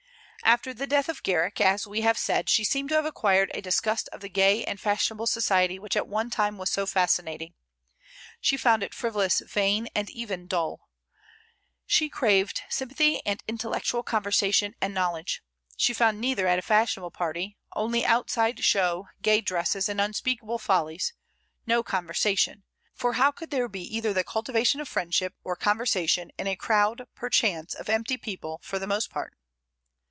After the death of Garrick, as we have said, she seemed to have acquired a disgust of the gay and fashionable society which at one time was so fascinating. She found it frivolous, vain, and even dull. She craved sympathy and intellectual conversation and knowledge. She found neither at a fashionable party, only outside show, gay dresses, and unspeakable follies, no conversation; for how could there be either the cultivation of friendship or conversation in a crowd, perchance, of empty people for the most part?